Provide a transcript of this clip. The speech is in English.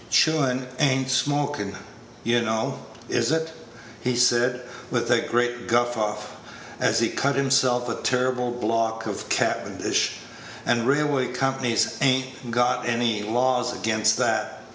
"Chewin' a'n't smokin,' you know, is it?" he said, with a great guffaw, as he cut himself a terrible block of Cavendish; "and railway companies a'n't got any laws against that.